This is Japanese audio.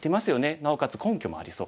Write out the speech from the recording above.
なおかつ根拠もありそう。